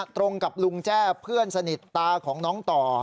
ตรงกับลุงแจ้เพื่อนสนิทตาของน้องต่อ